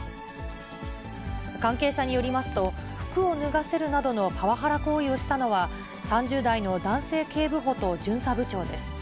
関係者によりますと、服を脱がせるなどのパワハラ行為をしたのは、３０代の男性警部補と巡査部長です。